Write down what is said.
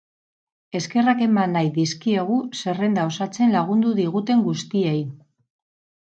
Eskerrak eman nahi dizkiegu zerrenda osatzen lagundu diguten guztiei.